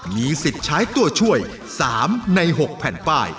มีสิทธิ์ใช้ตัวช่วย๓ใน๖แผ่นป้าย